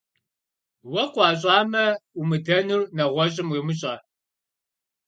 Уэ къыуащӀэмэ умыдэнур нэгъуэщӀым йумыщӀэ.